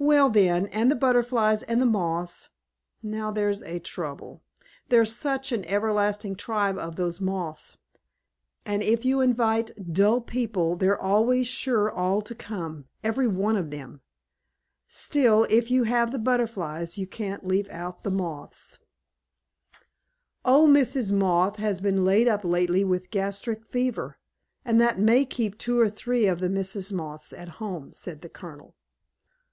"Well, then, and the Butterflies and the Moths. Now, there's a trouble. There's such an everlasting tribe of those Moths; and if you invite dull people they're always sure all to come, every one of them. Still, if you have the Butterflies, you can't leave out the Moths." "Old Mrs. Moth has been laid up lately with a gastric fever, and that may keep two or three of the Misses Moth at home," said the Colonel.